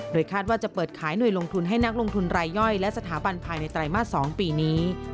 คาดว่าจะเปิดขายหน่วยลงทุนให้นักลงทุนรายย่อยและสถาบันภายในไตรมาส๒ปีนี้